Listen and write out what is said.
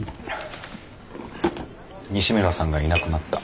西村さんがいなくなった。